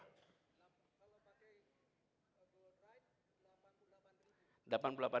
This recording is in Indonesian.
kalau pakai evoride delapan puluh delapan ribu